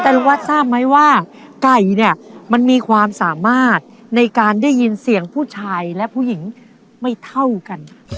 แต่ลูกวัดทราบไหมว่าไก่เนี่ยมันมีความสามารถในการได้ยินเสียงผู้ชายและผู้หญิงไม่เท่ากัน